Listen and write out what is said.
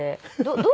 どう？